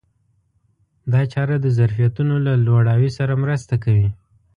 دا چاره د ظرفیتونو له لوړاوي سره مرسته کوي.